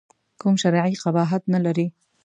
کوم شرعي قباحت نه لري.